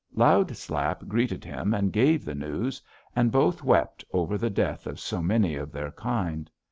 "Loud Slap greeted him and gave the news, and both wept over the death of so many of their kind.